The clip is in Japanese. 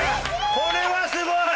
これはすごい！